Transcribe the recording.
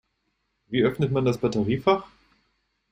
Wie öffnet man das Batteriefach?